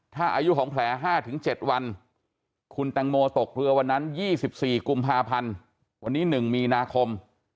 ถ้าอายุของแผล๕๗วันคุณแตงโมตกเรือวันนั้น๒๔กุมภาพันธ์วันนี้๑มีนาคม